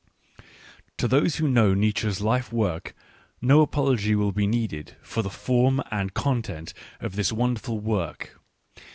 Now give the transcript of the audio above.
To those who know Nietzsche's life work, no apol ogy will be needed for the form and content of this wonderful work.